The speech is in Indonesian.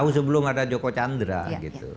sebelum ada joko chandra gitu